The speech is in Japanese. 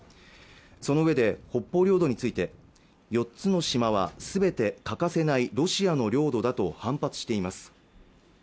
そのうえで北方領土について４つの島はすべて欠かせないロシアの領土だと反発しています